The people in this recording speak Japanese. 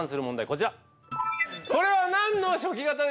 こちら。